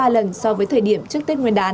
ba lần so với thời điểm trước tết nguyên đán